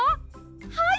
はい！